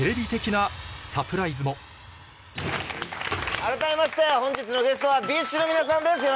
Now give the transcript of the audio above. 改めまして本日のゲストはＢｉＳＨの皆さんです。